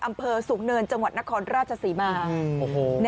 อำเภอสูงเนินจังหวัดนครราชศรีมา